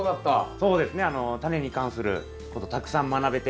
そうですねタネに関することたくさん学べて。